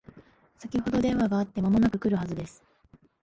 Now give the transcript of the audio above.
先ほど電話があって間もなく来るはずです